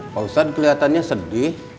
pak ustadz kelihatannya sedih